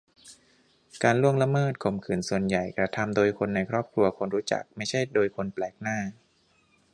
การล่วงละเมิด-ข่มขืนส่วนใหญ่กระทำโดยคนในครอบครัว-คนรู้จัก ไม่ใช่โดยคนแปลกหน้า